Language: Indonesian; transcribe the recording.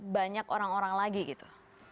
banyak orang orang lagi gitu